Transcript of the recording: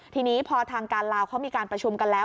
ทีนี้พอทางการลาวเขามีการประชุมกันแล้ว